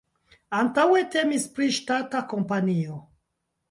Antaŭe temis pri ŝtata kompanio.